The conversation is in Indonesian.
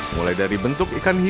mulai dari bentuk ikan hias